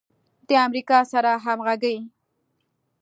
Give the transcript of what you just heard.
د امریکا سره همغږي